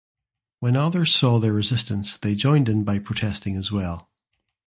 When others saw their resistance they joined in by protesting as well.